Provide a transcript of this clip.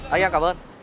anh em cảm ơn